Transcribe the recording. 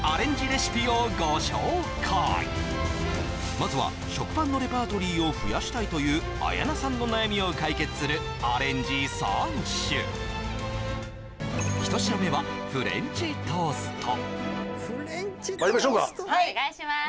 まずは食パンのレパートリーを増やしたいという綾菜さんの悩みを解決するアレンジ３種まいりましょうかお願いします